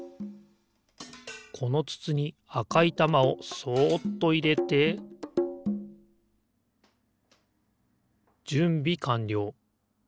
このつつにあかいたまをそっといれてじゅんびかんりょう。